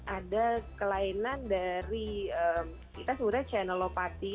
ada kelainan dari kita sebutnya channelopathy